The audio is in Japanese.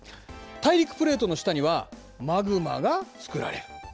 大陸プレートの下にはマグマが作られる。